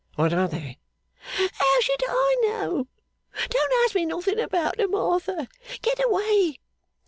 What are they?' 'How should I know? Don't ask me nothing about 'em, Arthur. Get away!